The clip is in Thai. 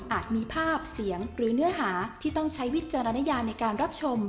มีภาพเสียงหรือเนื้อหาที่ต้องใช้วิจารณญาในการรับชม